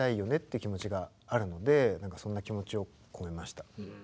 いう気持ちがあるのでそんな気持ちを込めました。